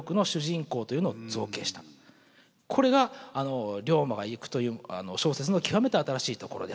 これが「竜馬がゆく」という小説の極めて新しいところであると。